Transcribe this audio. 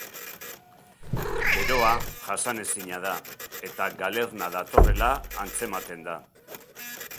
Beroa jasanezina da, eta galerna datorrela antzematen da.